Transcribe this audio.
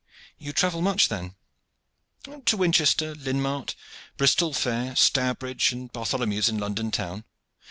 "You travel much then!" "To Winchester, Linn mart, Bristol fair, Stourbridge, and Bartholomew's in London Town.